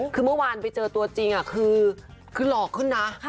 คือเมื่อวานไปเจอตัวจริงคือหลอกขึ้นนะ